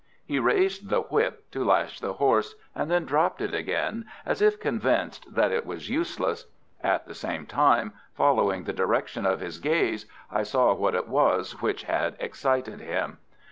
He raised the whip to lash the horse, and then dropped it again, as if convinced that it was useless. At the same time, following the direction of his gaze, I saw what it was which had excited him.